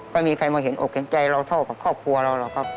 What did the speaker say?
ไม่มีใครมาเห็นอกเห็นใจเราเท่ากับครอบครัวเราหรอกครับ